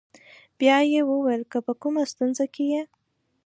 بیا یې وویل: که په کومه ستونزه کې یې.